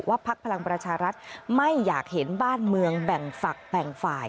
พักพลังประชารัฐไม่อยากเห็นบ้านเมืองแบ่งฝักแบ่งฝ่าย